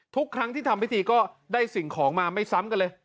ทุกครั้งที่ทำพิธีก็ได้สิ่งของมาไม่ซ้ำกันเลย